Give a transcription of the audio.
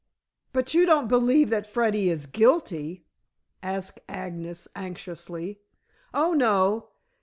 "But you don't believe that Freddy is guilty?" asked Agnes anxiously. "Oh, no.